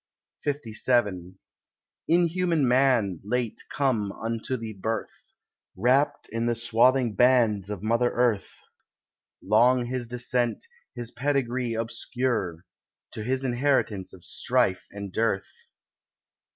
LVII Inhuman Man, late come unto the birth, Wrapped in the swathing bands of mother Earth, Long his descent, his pedigree obscure, To his inheritance of strife and dearth.